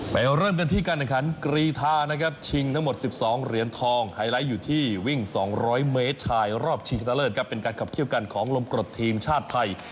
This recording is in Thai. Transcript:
เริ่มกันที่การแข่งขันกรีธานะครับชิงทั้งหมด๑๒เหรียญทองไฮไลท์อยู่ที่วิ่ง๒๐๐เมตรชายรอบชิงชนะเลิศครับเป็นการขับเคี่ยวกันของลมกรดทีมชาติไทย